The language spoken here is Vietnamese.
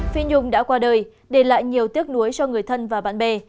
phi nhung đã qua đời để lại nhiều tiếc nuối cho người thân và bạn bè